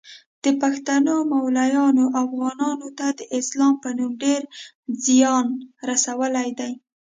د پښتنو مولایانو افغانانو ته د اسلام په نوم ډیر ځیان رسولی دی